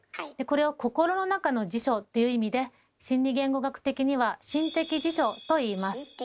これを心の中の辞書っていう意味で心理言語学的には「心的辞書」と言います。